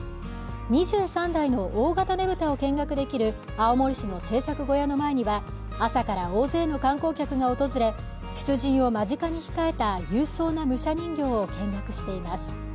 ２３台の大型ねぶたを見学できる青森市の製作小屋の前には朝から大勢の観光客が訪れ出陣を間近に控えた勇壮な武者人形を見学しています